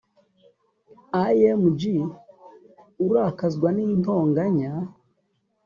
img urakazwa n intonganya